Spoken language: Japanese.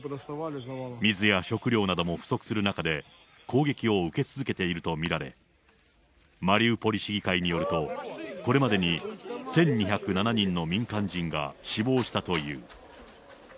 水や食料なども不足する中で、攻撃を受け続けていると見られ、マリウポリ市議会によると、これまでに１２０７人の民間人が死亡したという。